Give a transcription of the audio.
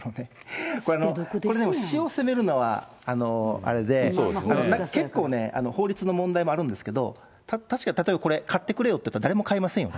これ、市を責めるのはあれで、結構ね、法律の問題もあるんですけど、確かに、これ、買ってくれよといっても、誰も買いませんよね。